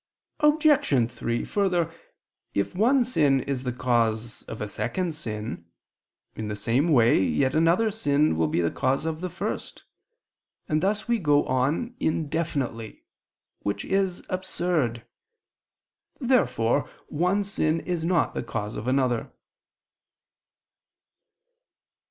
Obj. 3: Further, if one sin is the cause of a second sin, in the same way, yet another sin will be the cause of the first, and thus we go on indefinitely, which is absurd. Therefore one sin is not the cause of another.